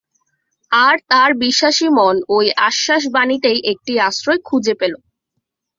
আর তাঁর বিশ্বাসী মন ঐ আশ্বাস-বাণীতেই একটি আশ্রয় খুঁজে পেল।